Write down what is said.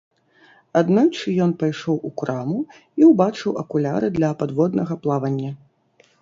Аднойчы ён пайшоў у краму і ўбачыў акуляры для падводнага плавання.